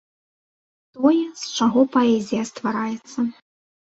Тое, з чаго паэзія ствараецца.